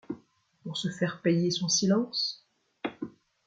Pour se faire payer son silence ?